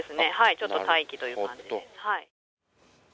ちょっと待機という感じで。